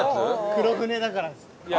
黒船だから？